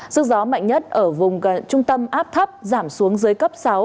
sức gió mạnh nhất ở vùng trung tâm áp thấp giảm xuống dưới cấp sáu